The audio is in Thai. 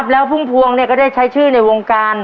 แล้วภูมิภวงเนี่ยก็ได้ใช้ชื่อในวงการ